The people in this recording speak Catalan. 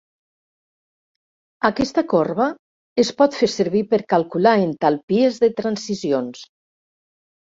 Aquesta corba es pot fer servir per calcular entalpies de transicions.